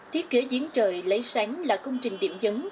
thiết kế diễn trời lấy sáng là công trình điểm dấn